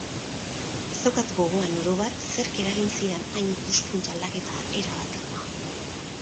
Ez daukat gogoan, orobat, zerk eragin zidan hain ikuspuntu-aldaketa erabatekoa.